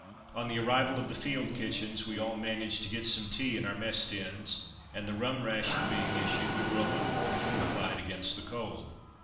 On the arrival of the field kitchens we all managed to get some tea in our mess tins; and the rum ration being issued we were a little more fortified against the cold.